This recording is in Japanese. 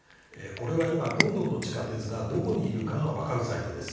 これは今ロンドンの地下鉄がどこにいるかが分かるサイトです。